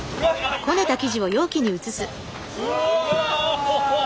うわ！